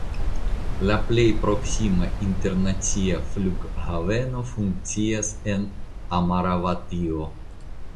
La plej proksima internacia flughaveno funkcias en Amaravatio.